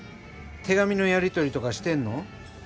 手紙のやり取りとかしてんの？